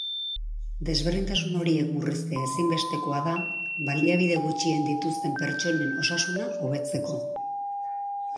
Desberdintasun horiek murriztea ezinbestekoa da, baliabide gutxien dituzten pertsonen osasuna hobetzeko.